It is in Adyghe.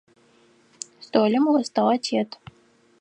Столым остыгъэ тет.